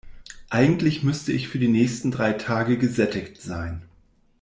Eigentlich müsste ich für die nächsten drei Tage gesättigt sein.